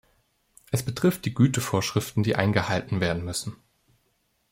Es betrifft die Gütevorschriften, die eingehalten werden müssen.